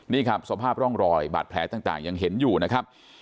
นี่ครับสภาพร่องรอยบาดแผลต่างยังเห็นอยู่นะครับ